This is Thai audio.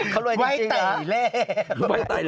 เขารวยจริงหรอ